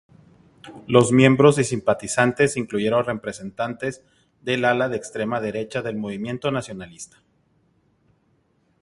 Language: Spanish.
Los miembros y simpatizantes incluyeron representantes del ala de extrema derecha del movimiento nacionalsocialista.